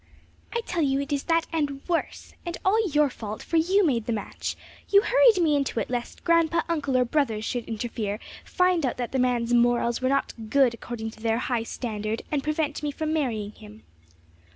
"I tell you it is that and worse! and all your fault, for you made the match! you hurried me into it lest grandpa, uncle, or brothers should interfere, find out that the man's morals were not good according to their high standard, and prevent me from marrying him."